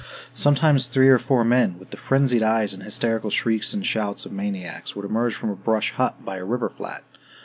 Sometimes three or four men, with the frenzied eyes and hysterical shrieks and shouts of maniacs, would emerge from a brush hut by a river flat.